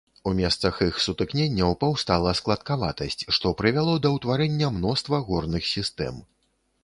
У месцах іх сутыкненняў паўстала складкаватасць, што прывяло да ўтварэння мноства горных сістэм.